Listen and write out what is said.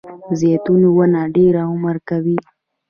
د زیتون ونه ډیر عمر کوي